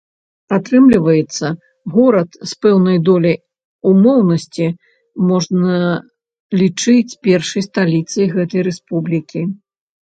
Атрымліваецца, горад з пэўнай доляй умоўнасці можна лічыць першай сталіцай гэтай рэспублікі.